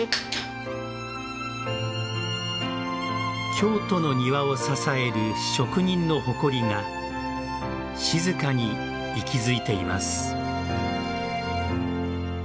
京都の庭を支える職人の誇りが静かに息づいています。